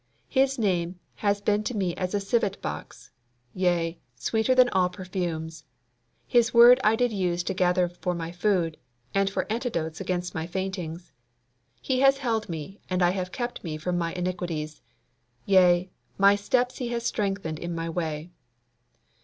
His name has been to me as a civet box; yea, sweeter than all perfumes. His word I did use to gather for my food, and for antidotes against my faintings. He has held me, and I have kept me from my iniquities. Yea, my steps He has strengthened in my way."